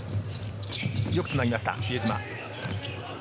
よくつなぎました、比江島。